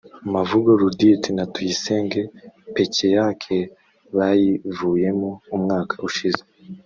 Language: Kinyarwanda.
Mavugo Laudit na Tuyisenge Pekeyake bayivuyemo umwaka ushize